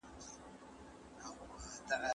انټرنیټ د زده کړې سرچینو ته لاسرسی ډېر کړی.